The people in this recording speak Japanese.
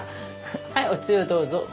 はいおつゆどうぞ。